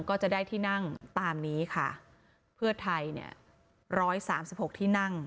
ก็จะได้ที่นั่งตามนี้ค่ะเพื่อไทยเนี่ยร้อยสามสิบหกที่นั่ง